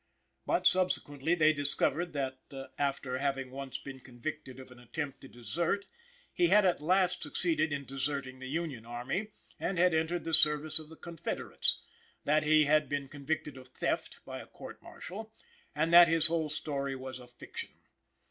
But, subsequently, they discovered that, after having once been convicted of an attempt to desert, he had at last succeeded in deserting the Union Army, and had entered the service of the Confederates; that he had been convicted of theft by a court martial; and that his whole story was a fiction.